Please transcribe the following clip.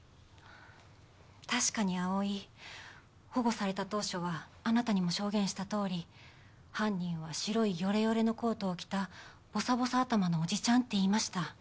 確かに葵保護された当初はあなたにも証言したとおり犯人は白いヨレヨレのコートを着たボサボサ頭のおじちゃんって言いました。